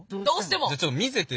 じゃあちょっと見せてよ